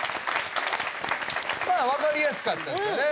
まあわかりやすかったですよね。